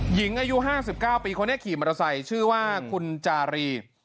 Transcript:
หญิงอายุ๕๙ปีคนนี้ขี่มอเตอร์ไซค์ชื่อว่าคุณจารี